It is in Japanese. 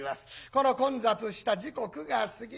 この混雑した時刻が過ぎる。